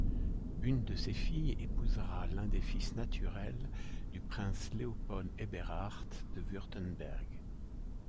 Une de ses filles épousera l'un des fils naturel du prince Léopold-Eberhard de Wurtemberg.